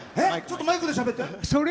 ちょっとマイクでしゃべって。